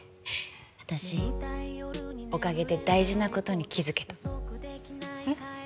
私おかげで大事なことに気づけたえっ？